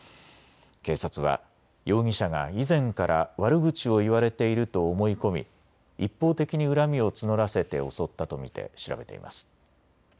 警察は容疑者が以前から悪口を言われていると思い込み一方的に恨みを募らせて襲ったと見て調べています。